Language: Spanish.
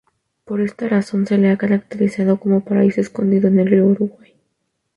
Por esta razón, se lo ha caracterizado como "paraíso escondido en el río Uruguay".